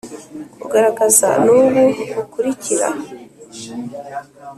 Kugaragaza ni ubu bukurikira